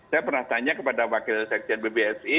saya pernah tanya kepada wakil seksi bbsi